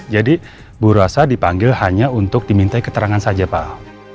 jadi bu rosa dipanggil hanya untuk diminta keterangan saja pak al